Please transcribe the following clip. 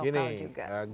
masyarakat lokal juga